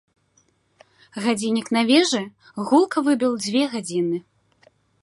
Гадзіннік на вежы гулка выбіў дзве гадзіны.